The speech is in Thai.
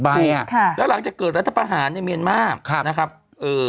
เนี่ยค่ะแล้วหลังจากเกิดรัฐประหารในเมียนมาร์ครับนะครับเอ่อ